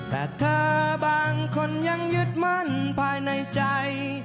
แต่เธอบางคนยังยึดมั่นภายในใจ